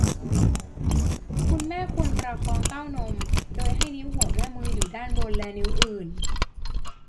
คุณแม่ควรประคองเต้านมโดยให้นิ้วหัวแม่มืออยู่ด้านบนและนิ้วอื่น